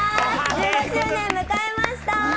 １５周年迎えました！